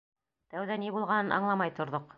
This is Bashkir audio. Тәүҙә ни булғанын аңламай торҙоҡ.